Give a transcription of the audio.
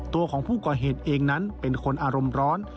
ตัวของผู้ก่อเหตุเองนั้นเป็นคนอารมณ์ร้อน